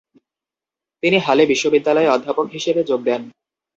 তিনি হালে বিশ্ববিদ্যালয়ে অধ্যাপক হিসেবে যোগ দেন।